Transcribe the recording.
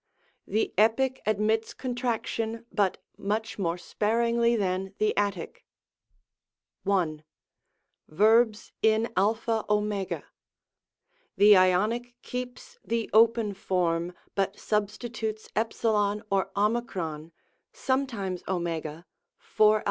The Epic admits contraction, bnt much more spar ingly than the Attic. L Verbs in ao. — ^The Ionic keeps the open form, but substitutes ^ or Oy Sometimes (o, for a.